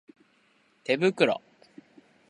手袋